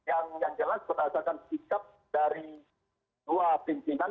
yang jelas berdasarkan sikap dari dua pimpinan